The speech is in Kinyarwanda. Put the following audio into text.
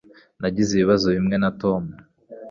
Nagize ibibazo bimwe na Tom